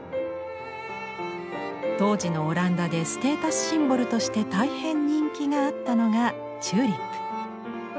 当時のオランダでステータスシンボルとして大変人気があったのがチューリップ。